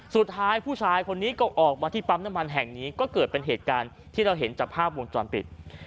สุดท้ายผู้ชายคนนี้ก็ออกมาที่ปั๊มน้ำมันแห่งนี้ก็เกิดเป็นเหตุการณ์ที่เราเห็นจากภาพวงจรปิด